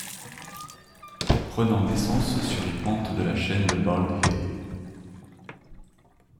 Prenant naissance sur les pentes de la chaîne de ‘Bald Hill ‘.